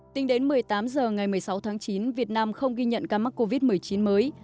tính đến một mươi tám h ngày một mươi sáu tháng chín việt nam không ghi nhận ca mắc covid một mươi chín mới